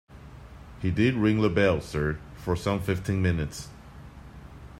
He did ring the bell, sir, for some fifteen minutes.